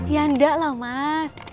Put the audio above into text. ya enggak lah mas